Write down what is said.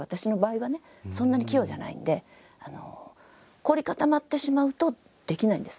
そんなに器用じゃないんで凝り固まってしまうとできないんです